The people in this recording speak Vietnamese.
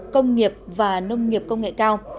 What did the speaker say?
công nghiệp và nông nghiệp công nghệ cao